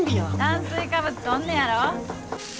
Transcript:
炭水化物とんねやろ。